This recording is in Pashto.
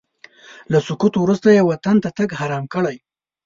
له سقوط وروسته یې وطن ته تګ حرام کړی.